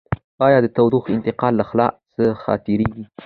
آیا د تودوخې انتقال له خلاء څخه تیریږي؟